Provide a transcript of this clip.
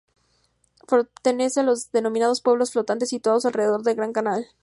Pertenece a los denominados 'Pueblos flotantes' situados alrededor del Gran Canal.